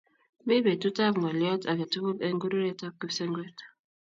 Mi peetuutap ng'olyoot age tugul eng' kururetap kipsengwet.